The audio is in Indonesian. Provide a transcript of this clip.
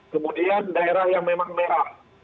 kemudian daerah yang memang merah